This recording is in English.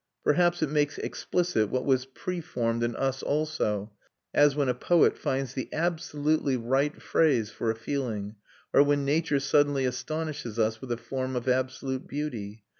Perhaps it makes explicit what was preformed in us also; as when a poet finds the absolutely right phrase for a feeling, or when nature suddenly astonishes us with a form of absolute beauty.